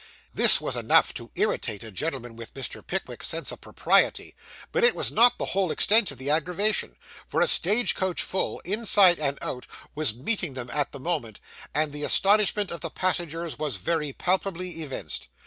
This was enough to irritate a gentleman with Mr. Pickwick's sense of propriety, but it was not the whole extent of the aggravation, for a stage coach full, inside and out, was meeting them at the moment, and the astonishment of the passengers was very palpably evinced.